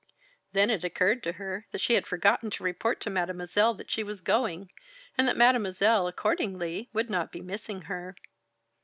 Then it occurred to her that she had forgotten to report to Mademoiselle that she was going, and that Mademoiselle, accordingly, would not be missing her.